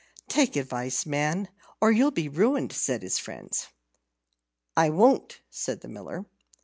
"Take advice, man, or you'll be ruined," said his friends. "I won't," said the Miller.